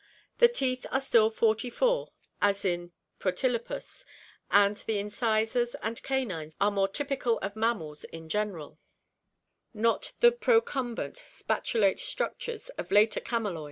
The teeth are still forty four as in Prolylopus and the incisors and canines are more typical of mammals in general, not the pro cumbent, spatulate structures of later cameloids.